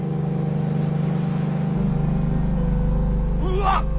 うわっ！